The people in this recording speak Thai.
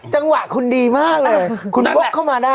จังหวะคุณดีมากเลยคุณวกเข้ามาได้